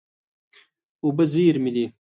اوبه زېرمې دي.